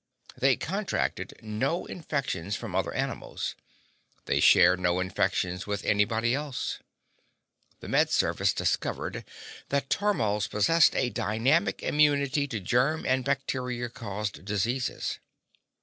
They contracted no infections from other animals; they shared no infections with anybody else. The Med Service discovered that tormals possessed a dynamic immunity to germ and bacteria caused diseases.